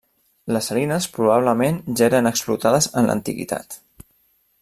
Les salines probablement ja eren explotades en l'antiguitat.